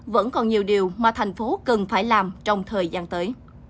vẫn còn nhiều điều mà thành phố cần phải làm trong thời gian tới